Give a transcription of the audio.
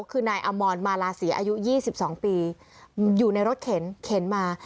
คือนายอมรมาลาศีอายุ๒๒ปีอยู่ในรถเข็นเข็นมา